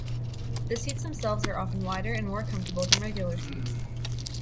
The seats themselves are often wider and more comfortable than regular seats.